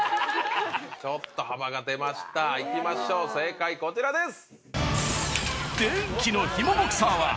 ちょっと幅が出ましたいきましょう正解こちらです。